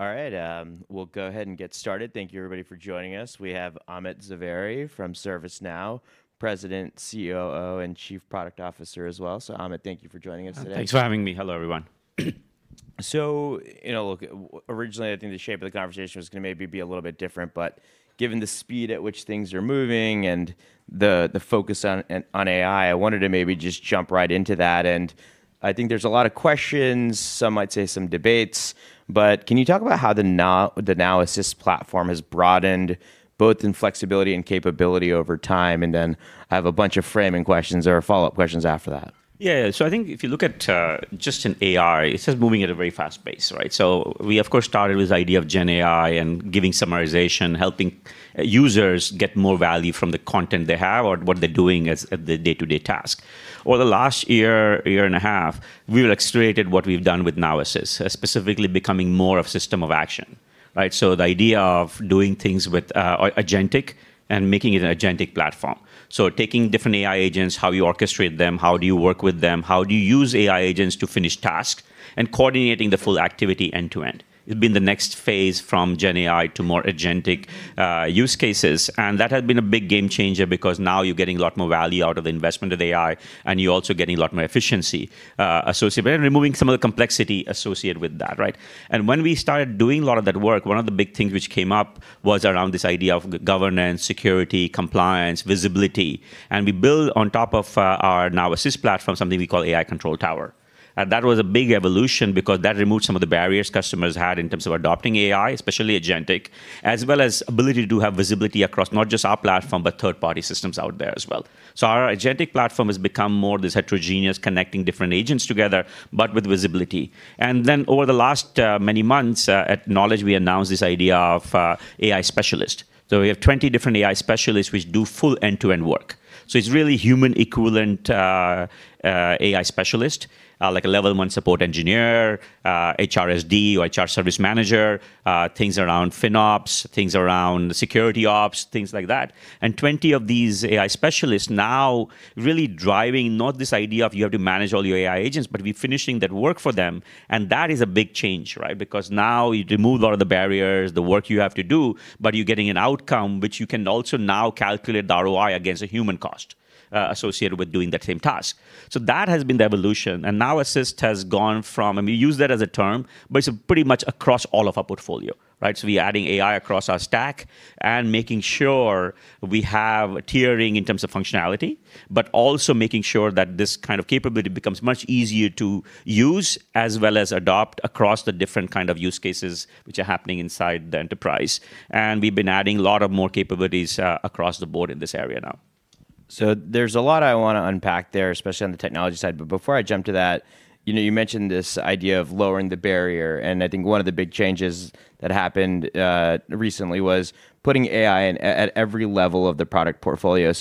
All right. We'll go ahead and get started. Thank you everybody for joining us. We have Amit Zavery from ServiceNow, President, COO, and Chief Product Officer as well. Amit, thank you for joining us today. Thanks for having me. Hello, everyone. Look, originally, I think the shape of the conversation was going to maybe be a little bit different, but given the speed at which things are moving and the focus on AI, I wanted to maybe just jump right into that. I think there's a lot of questions, some might say some debates, but can you talk about how the Now Assist platform has broadened both in flexibility and capability over time? Then I have a bunch of framing questions or follow-up questions after that. Yeah. I think if you look at just in AI, it is moving at a very fast pace, right? We, of course, started with this idea of GenAI and giving summarization, helping users get more value from the content they have or what they're doing as the day-to-day task. Over the last year and a half, we've accelerated what we've done with Now Assist, specifically becoming more of system of action, right? The idea of doing things with agentic and making it an agentic platform. Taking different AI agents, how you orchestrate them, how do you work with them, how do you use AI agents to finish tasks, and coordinating the full activity end to end. It's been the next phase from GenAI to more agentic use cases. That has been a big game changer because now you're getting a lot more value out of the investment of AI, and you're also getting a lot more efficiency associated, and removing some of the complexity associated with that, right? When we started doing a lot of that work, one of the big things which came up was around this idea of governance, security, compliance, visibility. We build on top of our Now Assist platform, something we call AI Control Tower. That was a big evolution because that removed some of the barriers customers had in terms of adopting AI, especially agentic, as well as ability to have visibility across not just our platform, but third-party systems out there as well. Our agentic platform has become more this heterogeneous, connecting different agents together, but with visibility. Over the last many months, at Knowledge, we announced this idea of AI specialist. We have 20 different AI specialists which do full end-to-end work. It's really human equivalent AI specialist, like a level one support engineer, HRSD or HR service manager, things around FinOps, things around security ops, things like that. 20 of these AI specialists now really driving not this idea of you have to manage all your AI agents, but we're finishing that work for them. That is a big change, right? Now you remove a lot of the barriers, the work you have to do, but you're getting an outcome which you can also now calculate the ROI against a human cost associated with doing that same task. That has been the evolution. We use that as a term, but it's pretty much across all of our portfolio, right? We're adding AI across our stack and making sure we have tiering in terms of functionality, but also making sure that this kind of capability becomes much easier to use as well as adopt across the different kind of use cases which are happening inside the enterprise. We've been adding a lot of more capabilities across the board in this area now. There's a lot I want to unpack there, especially on the technology side. Before I jump to that, you mentioned this idea of lowering the barrier, and I think one of the big changes that happened recently was putting AI at every level of the product portfolio.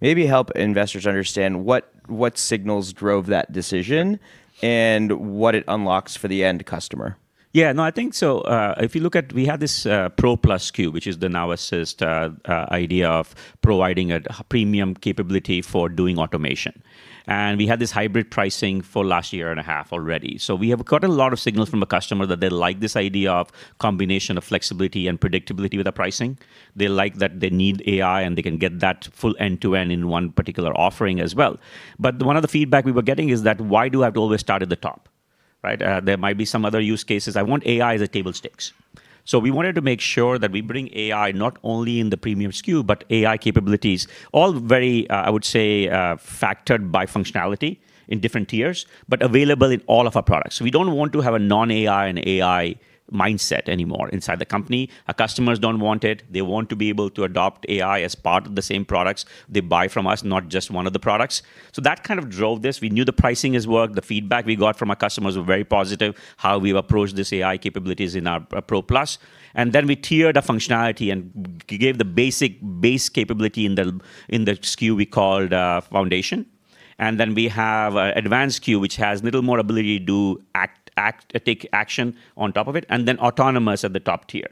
Maybe help investors understand what signals drove that decision and what it unlocks for the end customer? No, I think so. If you look at, we had this Pro Plus SKU, which is the Now Assist idea of providing a premium capability for doing automation. We had this hybrid pricing for last year and a half already. We have gotten a lot of signals from a customer that they like this idea of combination of flexibility and predictability with the pricing. They like that they need AI, and they can get that full end to end in one particular offering as well. One of the feedback we were getting is that why do I have to always start at the top, right? There might be some other use cases. I want AI as a table stakes. We wanted to make sure that we bring AI not only in the premium SKU, but AI capabilities, all very, I would say, factored by functionality in different tiers, but available in all of our products. We don't want to have a non-AI and AI mindset anymore inside the company. Our customers don't want it. They want to be able to adopt AI as part of the same products they buy from us, not just one of the products. That kind of drove this. We knew the pricing is work. The feedback we got from our customers were very positive, how we've approached this AI capabilities in our Pro Plus. Then we tiered the functionality and gave the basic base capability in the SKU we called Foundation. We have advanced SKU, which has little more ability to take action on top of it, and then autonomous at the top tier.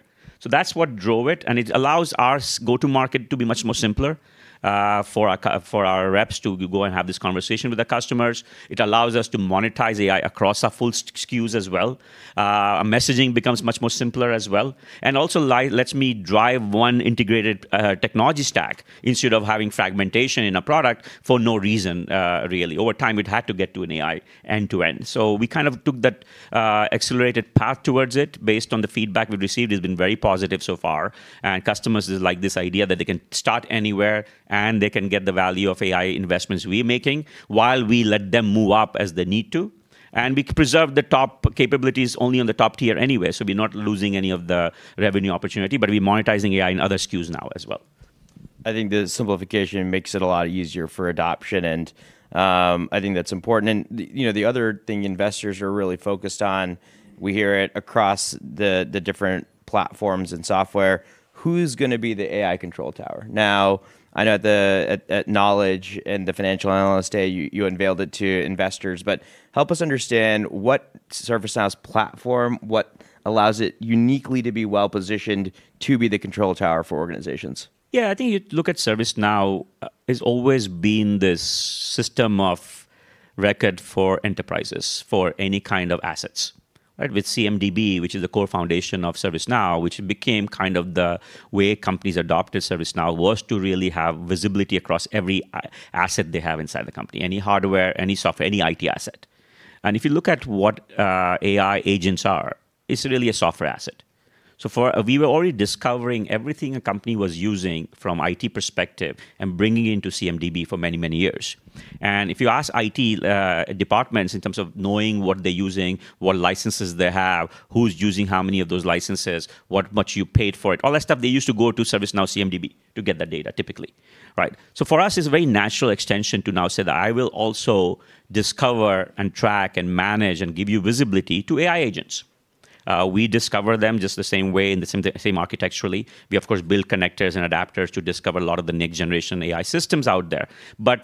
That's what drove it, and it allows our go-to-market to be much more simpler, for our reps to go and have this conversation with the customers. It allows us to monetize AI across our full SKUs as well. Our messaging becomes much more simpler as well, and also lets me drive one integrated technology stack instead of having fragmentation in a product for no reason, really. Over time, it had to get to an AI end to end. We kind of took that accelerated path towards it based on the feedback we've received, it's been very positive so far, and customers like this idea that they can start anywhere, and they can get the value of AI investments we're making while we let them move up as they need to. We preserve the top capabilities only on the top tier anyway, so we're not losing any of the revenue opportunity, but we're monetizing AI in other SKUs now as well. I think the simplification makes it a lot easier for adoption, and I think that's important. The other thing investors are really focused on, we hear it across the different platforms and software, who's going to be the AI Control Tower? Now, I know at Knowledge and the Financial Analyst Day, you unveiled it to investors, but help us understand what ServiceNow's platform allows it uniquely to be well-positioned to be the Control Tower for organizations. Yeah, I think you look at ServiceNow as always been this system of record for enterprises, for any kind of assets, right? With CMDB, which is the core foundation of ServiceNow, which became kind of the way companies adopted ServiceNow, was to really have visibility across every asset they have inside the company, any hardware, any software, any IT asset. If you look at what AI agents are, it's really a software asset. We were already discovering everything a company was using from IT perspective and bringing into CMDB for many, many years. If you ask IT departments in terms of knowing what they're using, what licenses they have, who's using how many of those licenses, what much you paid for it, all that stuff, they used to go to ServiceNow CMDB to get that data typically, right? For us, it's a very natural extension to now say that I will also discover and track and manage and give you visibility to AI agents. We discover them just the same way, in the same architecturally. We, of course, build connectors and adapters to discover a lot of the next-generation AI systems out there.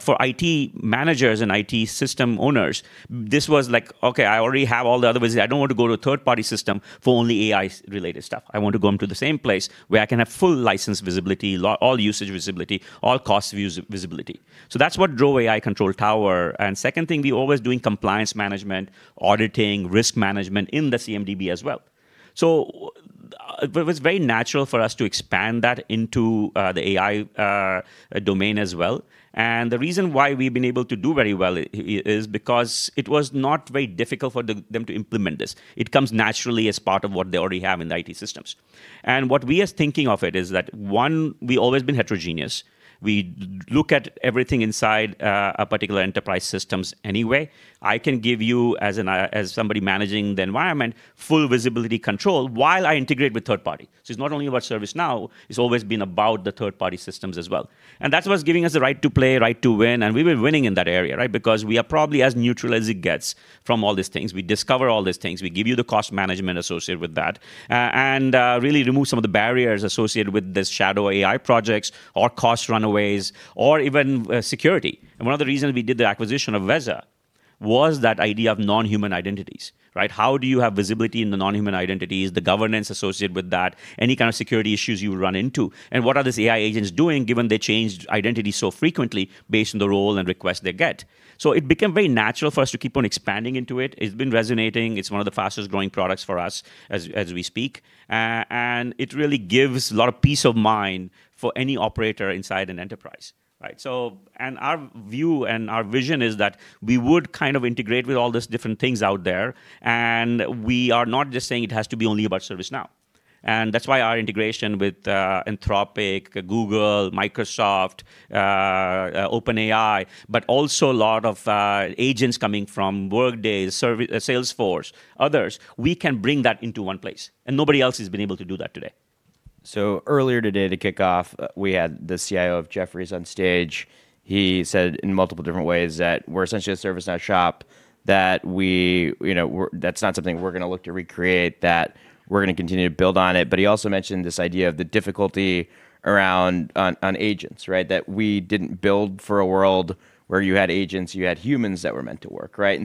For IT managers and IT system owners, this was like, "Okay, I already have all the other visibility. I don't want to go to a third-party system for only AI-related stuff. I want to go into the same place where I can have full license visibility, all usage visibility, all cost visibility." That's what drove AI Control Tower. Second thing, we're always doing compliance management, auditing, risk management in the CMDB as well. It was very natural for us to expand that into the AI domain as well. The reason why we've been able to do very well is because it was not very difficult for them to implement this. It comes naturally as part of what they already have in the IT systems. What we are thinking of it is that, one, we've always been heterogeneous. We look at everything inside a particular enterprise systems anyway. I can give you, as somebody managing the environment, full visibility control while I integrate with third party. It's not only about ServiceNow, it's always been about the third-party systems as well. That's what's giving us the right to play, right to win, and we've been winning in that area, right? Because we are probably as neutral as it gets from all these things. We discover all these things. We give you the cost management associated with that. Really remove some of the barriers associated with these shadow AI projects or cost runaways or even security. One of the reasons we did the acquisition of Veza was that idea of non-human identities, right? How do you have visibility in the non-human identities, the governance associated with that, any kind of security issues you run into, and what are these AI agents doing given they change identities so frequently based on the role and request they get? It became very natural for us to keep on expanding into it. It's been resonating. It's one of the fastest-growing products for us as we speak. It really gives a lot of peace of mind for any operator inside an enterprise, right? Our view and our vision is that we would kind of integrate with all these different things out there, and we are not just saying it has to be only about ServiceNow. That's why our integration with Anthropic, Google, Microsoft, OpenAI, but also a lot of agents coming from Workday, Salesforce, others. We can bring that into one place, and nobody else has been able to do that today. Earlier today to kick off, we had the CIO of Jefferies on stage. He said in multiple different ways that we're essentially a ServiceNow shop, that's not something we're going to look to recreate, that we're going to continue to build on it. He also mentioned this idea of the difficulty around on agents, right? That we didn't build for a world where you had agents, you had humans that were meant to work, right?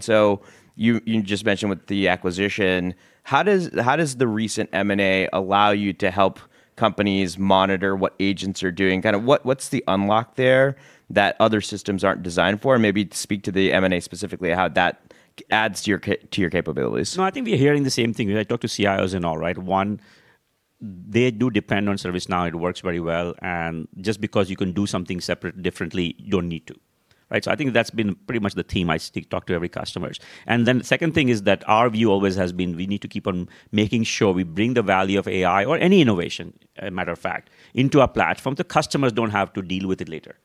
You just mentioned with the acquisition, how does the recent M&A allow you to help companies monitor what agents are doing? What's the unlock there that other systems aren't designed for? Maybe speak to the M&A specifically, how that adds to your capabilities. No, I think we're hearing the same thing. I talk to CIOs and all, right? One, they do depend on ServiceNow. It works very well, just because you can do something separate differently, you don't need to. Right? I think that's been pretty much the theme I stick talk to every customers. The second thing is that our view always has been we need to keep on making sure we bring the value of AI or any innovation, a matter of fact, into our platform, the customers don't have to deal with it later,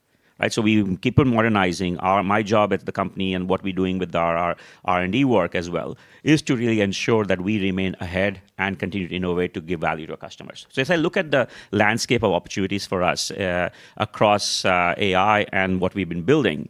right? We keep on modernizing. My job at the company and what we're doing with our R&D work as well is to really ensure that we remain ahead and continue to innovate to give value to our customers. As I look at the landscape of opportunities for us across AI and what we've been building.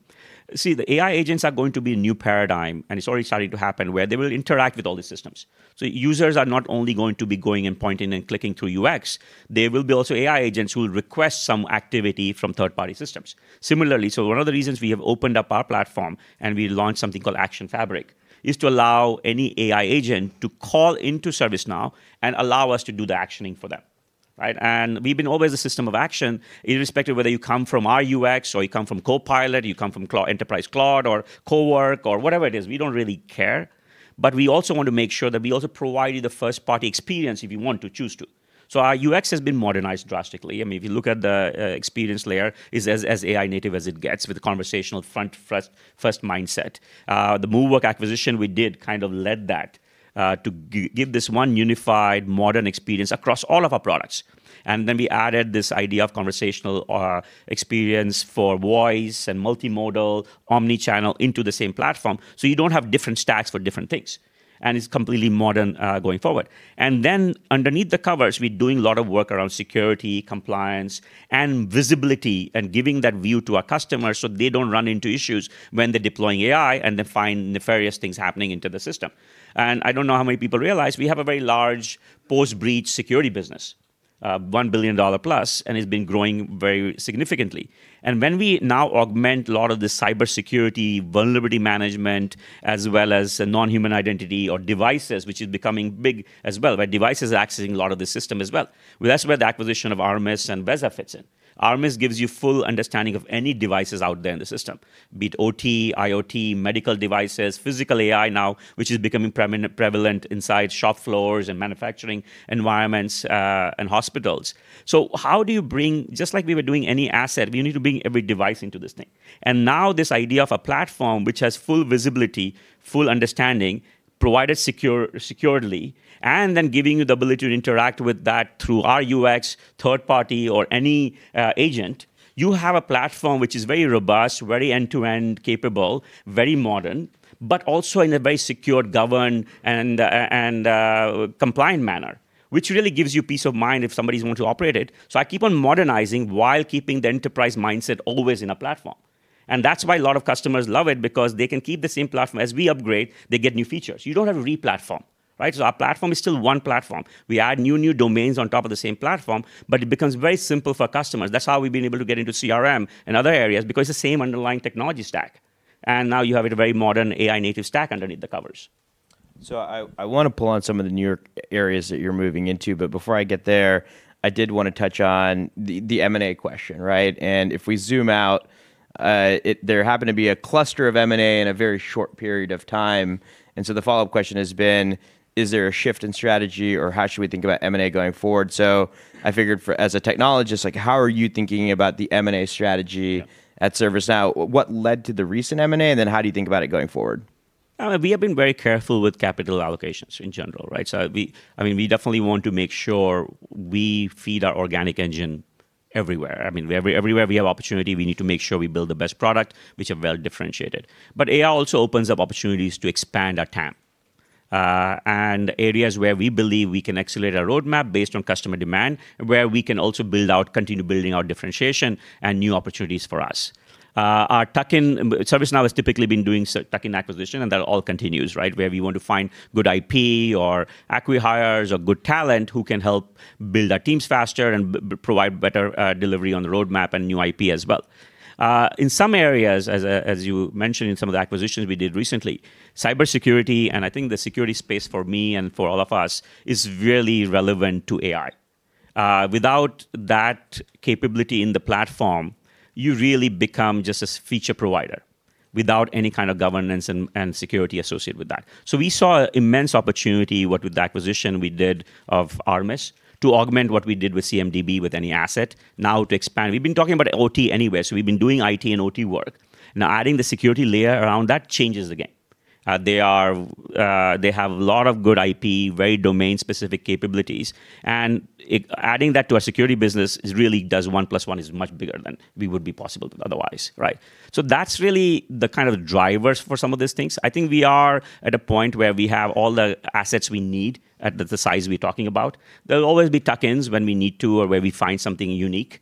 The AI agents are going to be a new paradigm, and it's already starting to happen, where they will interact with all these systems. Users are not only going to be going and pointing and clicking through UX, there will be also AI agents who will request some activity from third-party systems. Similarly, one of the reasons we have opened up our platform and we launched something called Action Fabric, is to allow any AI agent to call into ServiceNow and allow us to do the actioning for them, right? We've been always a system of action, irrespective of whether you come from our UX or you come from Copilot, you come from Enterprise Cloud or Cowork or whatever it is. We also want to make sure that we also provide you the first-party experience if you want to choose to. Our UX has been modernized drastically. If you look at the experience layer, it's as AI native as it gets with the conversational front first mindset. The Moveworks acquisition we did kind of led that, to give this one unified modern experience across all of our products. We added this idea of conversational experience for voice and multimodal, omnichannel into the same platform, so you don't have different stacks for different things. It's completely modern going forward. Underneath the covers, we're doing a lot of work around security, compliance, and visibility and giving that view to our customers so they don't run into issues when they're deploying AI and they find nefarious things happening into the system. I don't know how many people realize, we have a very large post-breach security business, $1 billion plus, and has been growing very significantly. When we now augment a lot of the cybersecurity, vulnerability management, as well as the non-human identity or devices, which is becoming big as well, where devices are accessing a lot of the system as well. That's where the acquisition of Armis and Veza fits in. Armis gives you full understanding of any devices out there in the system, be it OT, IoT, medical devices, physical AI now, which is becoming prevalent inside shop floors and manufacturing environments, and hospitals. How do you bring Just like we were doing any asset, we need to bring every device into this thing. Now this idea of a platform which has full visibility, full understanding, provided securely, and then giving you the ability to interact with that through our UX, third party, or any agent. You have a platform which is very robust, very end-to-end capable, very modern, but also in a very secured, governed, and compliant manner, which really gives you peace of mind if somebody's going to operate it. I keep on modernizing while keeping the enterprise mindset always in a platform. That's why a lot of customers love it, because they can keep the same platform. As we upgrade, they get new features. You don't have re-platform, right? Our platform is still one platform. We add new domains on top of the same platform, but it becomes very simple for customers. That's how we've been able to get into CRM and other areas, because it's the same underlying technology stack. Now you have a very modern AI-native stack underneath the covers. I want to pull on some of the newer areas that you're moving into, but before I get there, I did want to touch on the M&A question, right? If we zoom out, there happened to be a cluster of M&A in a very short period of time, and so the follow-up question has been, is there a shift in strategy, or how should we think about M&A going forward? I figured as a technologist, how are you thinking about the M&A strategy at ServiceNow? What led to the recent M&A, and then how do you think about it going forward? We have been very careful with capital allocations in general, right? We definitely want to make sure we feed our organic engine everywhere. Everywhere we have opportunity, we need to make sure we build the best product, which are well-differentiated. AI also opens up opportunities to expand our TAM, and areas where we believe we can accelerate our roadmap based on customer demand, where we can also continue building our differentiation and new opportunities for us. Our tuck-in, ServiceNow has typically been doing tuck-in acquisition, and that all continues, right? Where we want to find good IP or acqui-hires or good talent who can help build our teams faster and provide better delivery on the roadmap and new IP as well. In some areas, as you mentioned in some of the acquisitions we did recently, cybersecurity, and I think the security space for me and for all of us, is really relevant to AI. Without that capability in the platform, you really become just a feature provider without any kind of governance and security associated with that. We saw immense opportunity with the acquisition we did of Armis to augment what we did with CMDB with any asset. To expand, we've been talking about OT anyway, so we've been doing IT and OT work. Adding the security layer around, that changes the game. They have a lot of good IP, very domain-specific capabilities, and adding that to our security business really does one plus one is much bigger than would be possible otherwise, right? That's really the kind of drivers for some of these things. I think we are at a point where we have all the assets we need at the size we're talking about. There'll always be tuck-ins when we need to, or where we find something unique.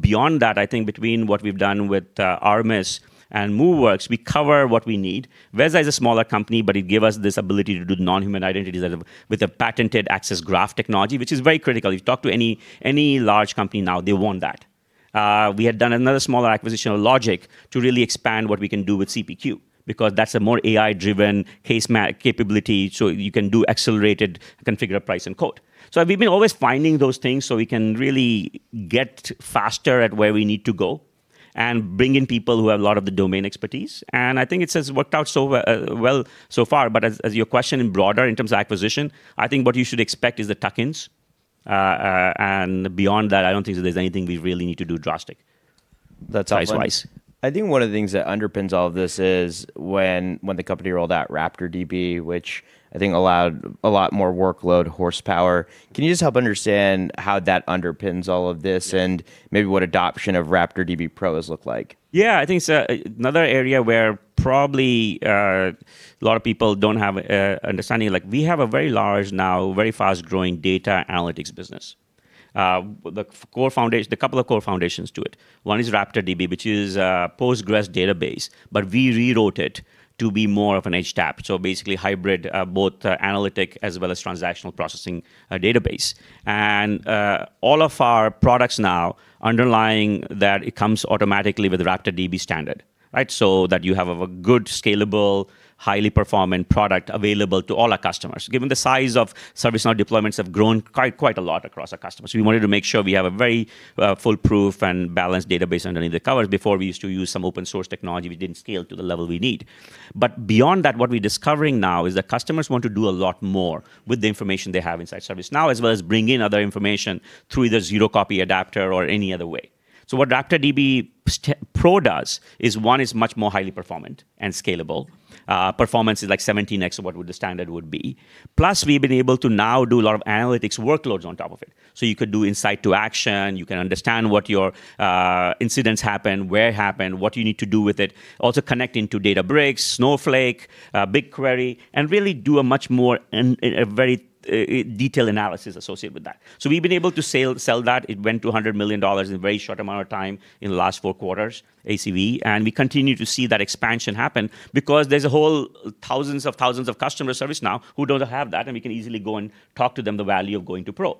Beyond that, I think between what we've done with Armis and Moveworks, we cover what we need. Veza is a smaller company, but it gave us this ability to do non-human identities with a patented access graph technology, which is very critical. You talk to any large company now, they want that. We had done another smaller acquisition of Logik.io to really expand what we can do with CPQ, because that's a more AI-driven case management capability, so you can do accelerated configure price and quote. We've been always finding those things so we can really get faster at where we need to go and bring in people who have a lot of the domain expertise. I think it has worked out so well so far. As your question, in broader, in terms of acquisition, I think what you should expect is the tuck-ins. Beyond that, I don't think that there's anything we really need to do drastic size-wise. I think one of the things that underpins all of this is when the company rolled out RaptorDB, which I think allowed a lot more workload horsepower. Can you just help understand how that underpins all of this, and maybe what adoption of RaptorDB Pro has looked like? I think it's another area where probably a lot of people don't have understanding. We have a very large, now very fast-growing data analytics business. The couple of core foundations to it. One is RaptorDB, which is a Postgres database. We rewrote it to be more of an HTAP, so basically hybrid, both analytic as well as transactional processing database. All of our products now underlying that, it comes automatically with RaptorDB standard. Right? That you have a good, scalable, highly performant product available to all our customers. Given the size of ServiceNow deployments have grown quite a lot across our customers. We wanted to make sure we have a very foolproof and balanced database underneath the covers. Before, we used to use some open source technology, we didn't scale to the level we need. Beyond that, what we're discovering now is that customers want to do a lot more with the information they have inside ServiceNow, as well as bring in other information through either Zero Copy Adapter or any other way. What RaptorDB Pro does is, one, it's much more highly performant and scalable. Performance is like 17x of what the standard would be. Plus, we've been able to now do a lot of analytics workloads on top of it. You could do insight to action. You can understand what your incidents happened, where it happened, what you need to do with it. Also connecting to Databricks, Snowflake, BigQuery, and really do a much more and a very detailed analysis associated with that. We've been able to sell that. It went to $100 million in a very short amount of time in the last four quarters ACV. We continue to see that expansion happen because there's a whole thousands of customer ServiceNow who don't have that, and we can easily go and talk to them the value of going to Pro.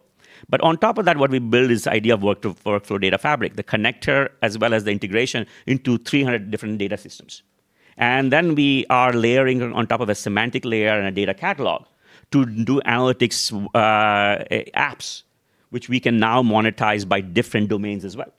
On top of that, what we build is the idea of Workflow Data Fabric, the connector as well as the integration into 300 different data systems. Then we are layering on top of a semantic layer and a data catalog to do analytics apps which we can now monetize by different domains as well.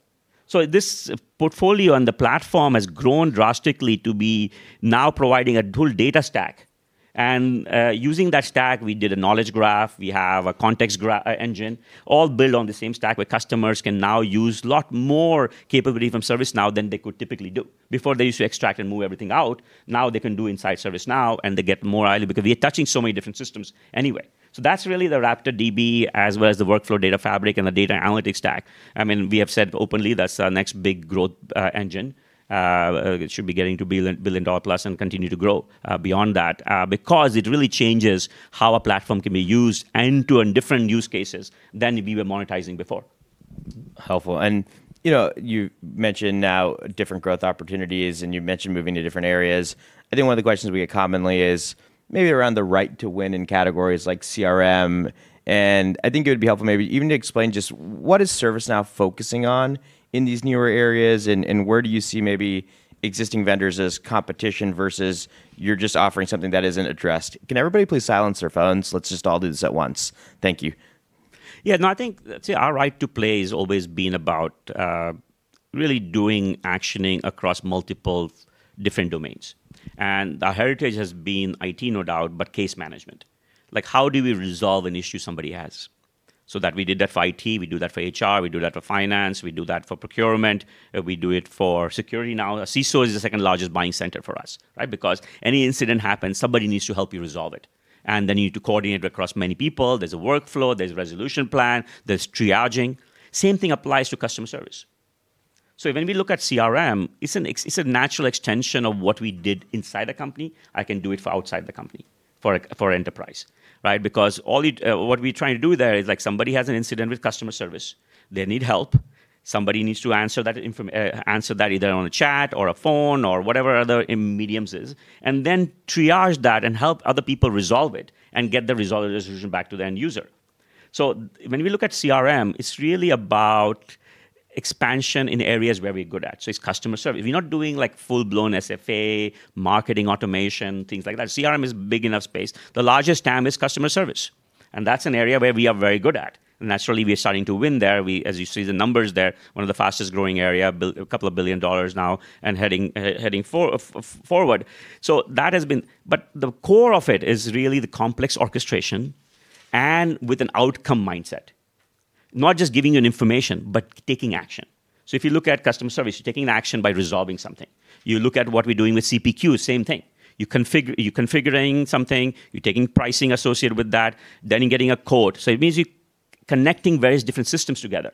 This portfolio and the platform has grown drastically to be now providing a dual data stack. Using that stack, we did a knowledge graph, we have a context engine, all built on the same stack, where customers can now use a lot more capability from ServiceNow than they could typically do. Before, they used to extract and move everything out. Now they can do inside ServiceNow, and they get more out of it because we are touching so many different systems anyway. That's really the RaptorDB, as well as the Workflow Data Fabric and the data analytics stack. We have said openly that's our next big growth engine. It should be getting to $1 billion plus and continue to grow beyond that. It really changes how a platform can be used and to different use cases than we were monetizing before. Helpful. You mentioned now different growth opportunities and you mentioned moving to different areas. I think one of the questions we get commonly is maybe around the right to win in categories like CRM. I think it would be helpful maybe even to explain just what is ServiceNow focusing on in these newer areas. Where do you see maybe existing vendors as competition versus you're just offering something that isn't addressed? Can everybody please silence their phones? Let's just all do this at once. Thank you. Yeah, no, I think, see, our right to play has always been about really doing actioning across multiple different domains. Our heritage has been IT, no doubt, but case management. Like how do we resolve an issue somebody has? That we did that for IT, we do that for HR, we do that for finance, we do that for procurement, we do it for security now. Our CISO is the second-largest buying center for us, right? Because any incident happens, somebody needs to help you resolve it, and then you need to coordinate across many people. There's a workflow, there's a resolution plan, there's triaging. Same thing applies to customer service. When we look at CRM, it's a natural extension of what we did inside a company. I can do it for outside the company, for enterprise. Right? What we're trying to do there is somebody has an incident with customer service. They need help. Somebody needs to answer that either on a chat or a phone or whatever other mediums is, and then triage that and help other people resolve it, and get the resolution back to the end user. When we look at CRM, it's really about expansion in areas where we're good at. It's customer service. We're not doing full-blown SFA, marketing automation, things like that. CRM is big enough space. The largest TAM is customer service, and that's an area where we are very good at. Naturally, we are starting to win there. As you see the numbers there, one of the fastest-growing area, a couple of billion USD now and heading forward. The core of it is really the complex orchestration and with an outcome mindset. Not just giving you information, but taking action. If you look at customer service, you're taking an action by resolving something. You look at what we're doing with CPQ, same thing. You're configuring something, you're taking pricing associated with that, then getting a quote. It means you're connecting various different systems together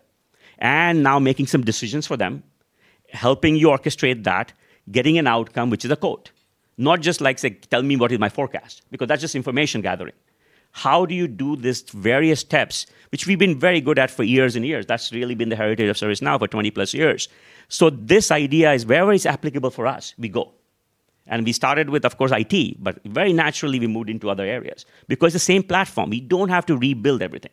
and now making some decisions for them, helping you orchestrate that, getting an outcome, which is a quote. Not just like, say, "Tell me what is my forecast," because that's just information gathering. How do you do these various steps, which we've been very good at for years and years? That's really been the heritage of ServiceNow for 20+ years. This idea is wherever it's applicable for us, we go. We started with, of course, IT, but very naturally, we moved into other areas. Because it's the same platform. We don't have to rebuild everything.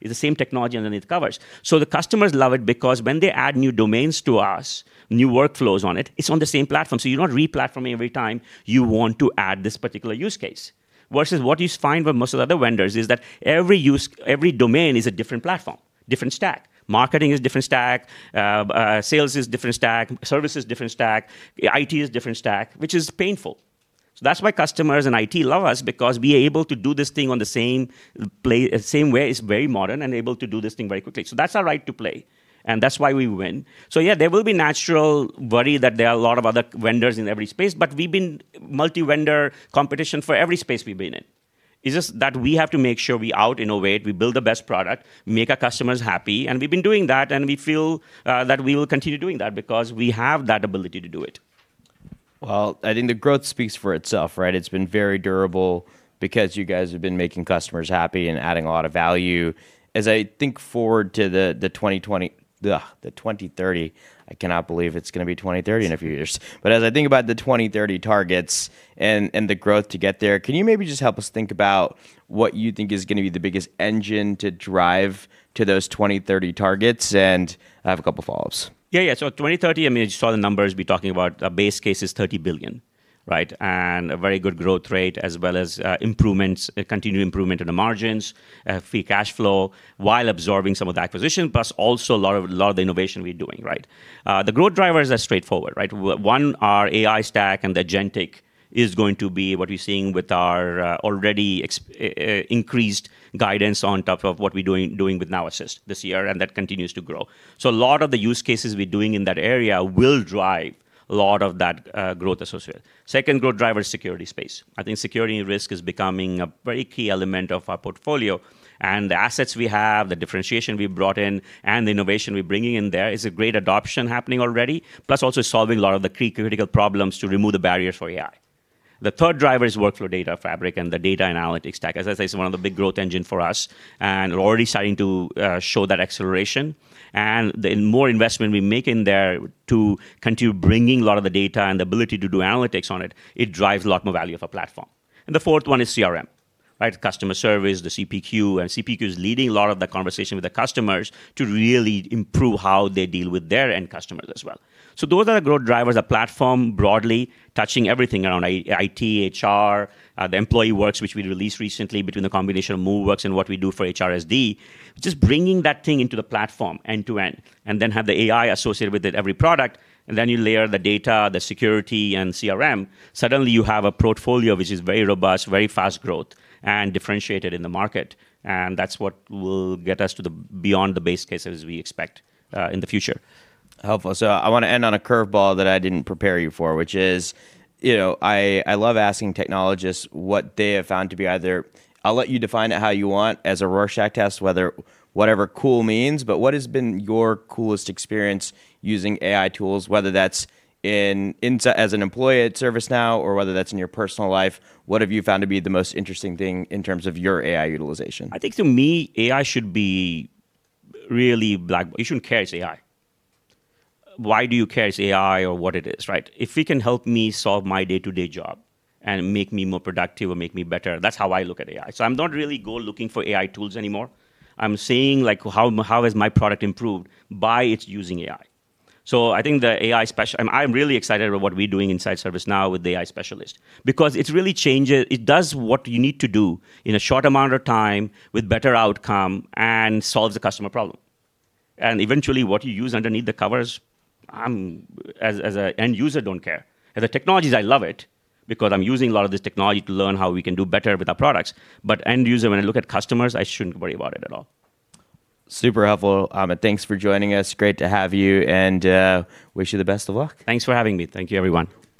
It's the same technology underneath the covers. The customers love it because when they add new domains to us, new workflows on it's on the same platform, so you're not re-platforming every time you want to add this particular use case. Versus what you find with most of the other vendors is that every domain is a different platform, different stack. Marketing is a different stack, sales is a different stack, service is a different stack, IT is a different stack, which is painful. That's why customers and IT love us, because we are able to do this thing on the same way. It's very modern and able to do this thing very quickly. That's our right to play, and that's why we win. Yeah, there will be natural worry that there are a lot of other vendors in every space, but we've been multi-vendor competition for every space we've been in. It's just that we have to make sure we out-innovate, we build the best product, make our customers happy, and we've been doing that, and we feel that we will continue doing that because we have that ability to do it. Well, I think the growth speaks for itself, right? It's been very durable because you guys have been making customers happy and adding a lot of value. As I think forward to the 2030 I cannot believe it's going to be 2030 in a few years. As I think about the 2030 targets and the growth to get there, can you maybe just help us think about what you think is going to be the biggest engine to drive to those 2030 targets? I have a couple of follow-ups. 2030, you saw the numbers we are talking about. Base case is $30 billion, right? A very good growth rate as well as continued improvement in the margins, free cash flow, while absorbing some of the acquisition, plus also a lot of the innovation we are doing, right? The growth drivers are straightforward, right? One, our AI stack and the agentic is going to be what we are seeing with our already increased guidance on top of what we are doing with Now Assist this year, and that continues to grow. A lot of the use cases we are doing in that area will drive a lot of that growth associated. Second growth driver is security space. I think security and risk is becoming a very key element of our portfolio, and the assets we have, the differentiation we've brought in, and the innovation we're bringing in there is a great adoption happening already. Plus also solving a lot of the critical problems to remove the barriers for AI. The third driver is Workflow Data Fabric and the data analytics stack. As I say, it's one of the big growth engine for us, and we're already starting to show that acceleration. The more investment we make in there to continue bringing a lot of the data and the ability to do analytics on it drives a lot more value of a platform. The fourth one is CRM, right? Customer service, the CPQ, and CPQ is leading a lot of the conversation with the customers to really improve how they deal with their end customers as well. Those are the growth drivers. A platform broadly touching everything around IT, HR, the EmployeeWorks, which we released recently between the combination of Moveworks and what we do for HRSD. Just bringing that thing into the platform end to end, and then have the AI associated with it, every product, and then you layer the data, the security, and CRM. You have a portfolio which is very robust, very fast growth, and differentiated in the market. That's what will get us to beyond the base cases we expect in the future. Helpful. I want to end on a curveball that I didn't prepare you for, which is, I love asking technologists what they have found to be either I'll let you define it how you want as a Rorschach Test, whatever cool means, but what has been your coolest experience using AI tools, whether that's as an employee at ServiceNow or whether that's in your personal life? What have you found to be the most interesting thing in terms of your AI utilization? I think to me, AI should be really like, you shouldn't care it's AI. Why do you care it's AI or what it is, right? If it can help me solve my day-to-day job and make me more productive or make me better, that's how I look at AI. I'm not really go looking for AI tools anymore. I'm seeing how is my product improved by its using AI. I think the AI specialist I'm really excited about what we're doing inside ServiceNow with the AI specialist. It does what you need to do in a short amount of time with better outcome and solves the customer problem. Eventually, what you use underneath the covers, as an end user, don't care. As a technologist, I love it, because I'm using a lot of this technology to learn how we can do better with our products. End user, when I look at customers, I shouldn't worry about it at all. Super helpful, Amit. Thanks for joining us. Great to have you, and wish you the best of luck. Thanks for having me. Thank you, everyone.